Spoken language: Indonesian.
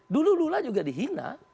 dulu lula juga dihina